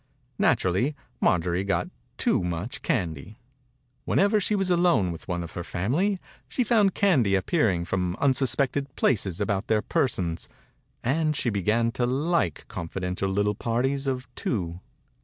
Naturally, Maijorie got too much candy. Whenever she was alone with one of her fam ily she found candy appearing from unsuspected places about their persons, and she began to like confidential little parties of two.